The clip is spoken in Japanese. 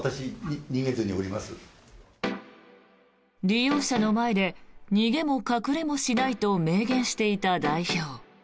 利用者の前で逃げも隠れもしないと明言していた代表。